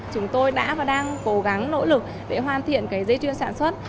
chúng tôi đã và đang cố gắng nỗ lực để hoàn thiện cái dây chuyên sản xuất